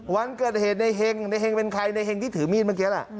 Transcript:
วันเกิดเหตุในเฮงในเฮงเป็นใครในเฮงที่ถือมีดเมื่อกี้น่ะ